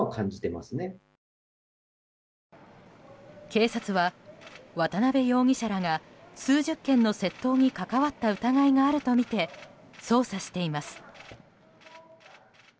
警察は、渡邉容疑者らが数十件の窃盗に関わった疑いがあるとみて捜査しています。